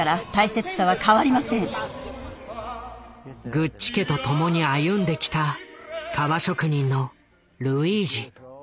グッチ家とともに歩んできた革職人のルイージ。